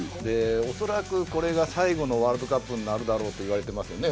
恐らくこれが最後のワールドカップになるだろうと言われていますよね。